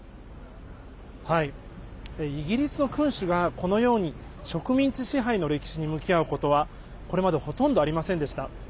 イギリスの君主がこのように植民地支配の歴史に向き合うことは、これまでほとんどありませんでした。